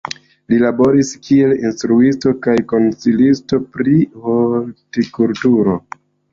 Li laboras kiel instruisto kaj konsilisto pri hortikulturo.